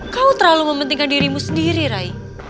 kau terlalu mementingkan dirimu sendiri ray